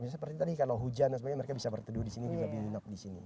seperti tadi kalau hujan sebenarnya mereka bisa berteduh di sini bisa berinok di sini